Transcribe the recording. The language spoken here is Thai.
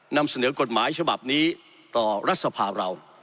นำเสนอกฎหมายฉบับนี้ต่อรัฐสภาเรา